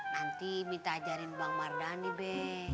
nanti minta ajarin bang mardhani be